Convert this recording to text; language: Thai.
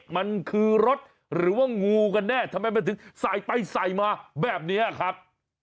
มันคือรถหรือว่างูกันแน่ทำไมมันถึงใส่ไปใส่มาแบบนี้ครับ